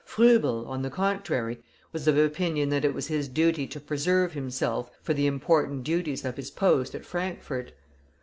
Froebel, on the contrary, was of opinion that it was his duty to preserve himself for the important duties of his post at Frankfort.